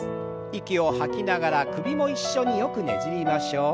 息を吐きながら首も一緒によくねじりましょう。